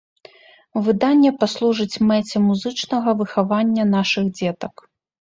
Выданне паслужыць мэце музычнага выхавання нашых дзетак.